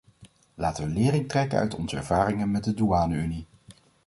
Laten we lering trekken uit onze ervaringen met de douane-unie.